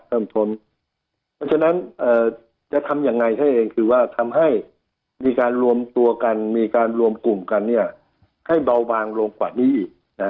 เพราะฉะนั้นจะทำยังไงซะเองคือว่าทำให้มีการรวมตัวกันมีการรวมกลุ่มกันให้เบาบางลงกว่านี้อีก